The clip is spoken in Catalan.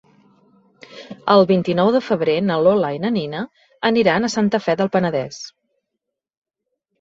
El vint-i-nou de febrer na Lola i na Nina aniran a Santa Fe del Penedès.